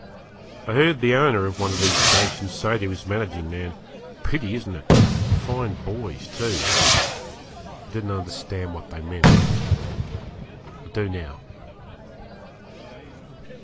I heard the owner of one of these stations say to his managing man, 'Pity, isn't it? fine boys, too.' I didn't understand what they meant. I do now.